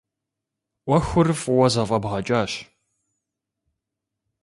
ӏуэхур фӏыуэ зэфӏэбгъэкӏащ.